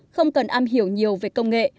không cần am hiểu nhiều về công nghệ